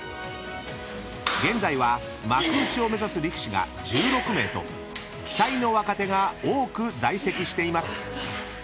［現在は幕内を目指す力士が１６名と期待の若手が多く在籍しています］